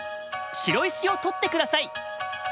白石を取って下さい。